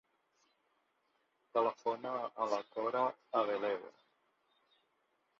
Telefona a la Cora Abeledo.